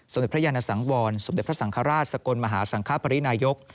เด็จพระยานสังวรสมเด็จพระสังฆราชสกลมหาสังคปรินายก